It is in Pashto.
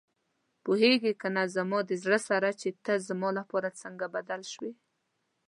پوهېږې کنه زما د زړه سره چې ته زما لپاره څنګه بدل شوې.